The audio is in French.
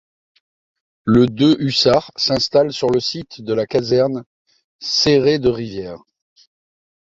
Le de hussards s'installe sur le site de la caserne Séré-de-Rivières.